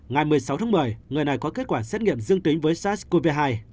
ngày một mươi sáu tháng một mươi người này có kết quả xét nghiệm dương tính với sars cov hai